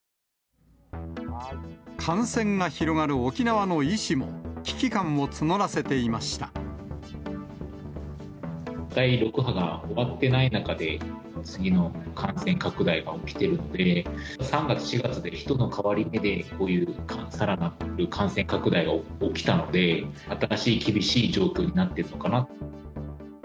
感染が広がる沖縄の医師も、第６波が終わってない中で、次の感染拡大が起きているので、３月、４月で人の変わり目で、こういうさらなる感染拡大が起きたので、新しい厳しい状況になっているのかな。